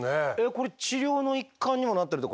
これ治療の一環にもなってるって